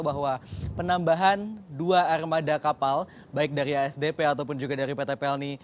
bahwa penambahan dua armada kapal baik dari asdp ataupun juga dari pt pelni